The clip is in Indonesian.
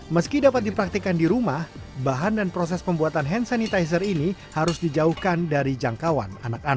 meski dapat dipraktikan di rumah bahan dan proses pembuatan hand sanitizer ini harus dijauhkan dari jangkauan anak anak